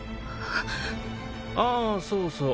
あそうそう。